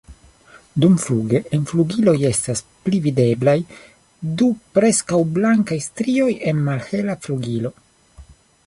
Dumfluge en flugiloj estas pli videblaj du preskaŭ blankaj strioj en malhela flugilo.